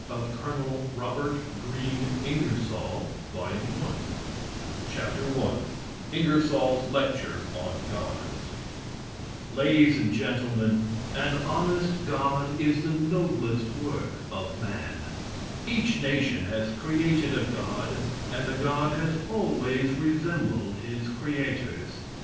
Ingersoll's Answer To Prof. Swing, Dr. Thomas, And Others INGERSOLL'S LECTURE ON GODS Ladies and Gentlemen: An honest god is the noblest work of man. Each nation has created a god, and the god has always resembled his creators.